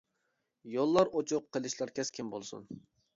يوللار ئوچۇق قىلىچلار كەسكىن بولسۇن.